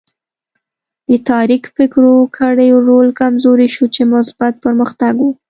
د تاریک فکرو کړیو رول کمزوری شو چې مثبت پرمختګ و.